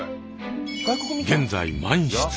現在満室。